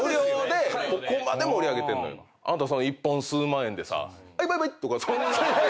あんた１本数万円でさ「バイバイ！」とかそんな。